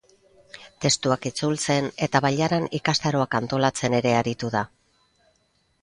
Testuak itzultzen eta bailaran ikastaroak antolatzen ere aritu da.